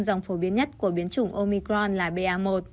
dòng phổ biến nhất của biến chủng omicron là ba